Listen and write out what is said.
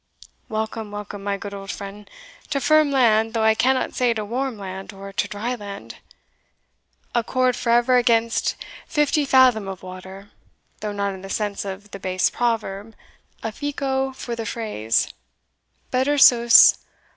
Welcome, welcome, my good old friend, to firm land, though I cannot say to warm land or to dry land. A cord for ever against fifty fathom of water, though not in the sense of the base proverb a fico for the phrase, better _sus.